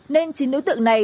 nên chín nữ tượng này